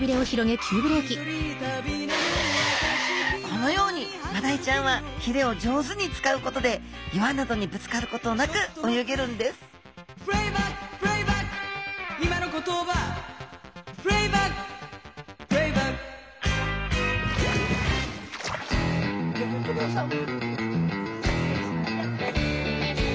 このようにマダイちゃんはひれを上手に使うことで岩などにぶつかることなく泳げるんですギョギョッと号さん！